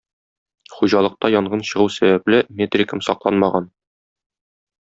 Хуҗалыкта янгын чыгу сәбәпле, метрикам сакланмаган.